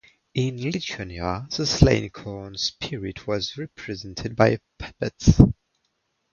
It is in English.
In Lithuania, the slain corn spirit was represented by a puppet.